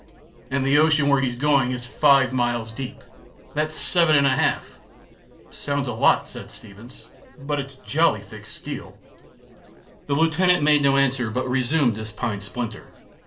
And the ocean where he's going is five miles deep. That's seven and a half" " Sounds a lot," said Steevens, " but it's jolly thick steel." The lieutenant made no answer, but resumed his pine splinter.